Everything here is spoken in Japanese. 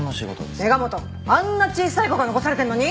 メガ本あんな小さい子が残されてるのに！